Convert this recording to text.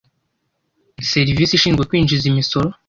Serivisi ishinzwe kwinjiza imisoro